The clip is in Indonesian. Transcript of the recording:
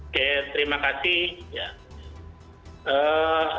oke terima kasih